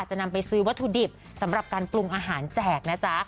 จะนำไปซื้อวัตถุดิบสำหรับการปรุงอาหารแจกนะจ๊ะ